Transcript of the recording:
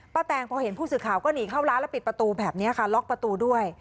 แตงพอเห็นผู้สื่อข่าวก็หนีเข้าร้านแล้วปิดประตูแบบนี้ค่ะล็อกประตูด้วย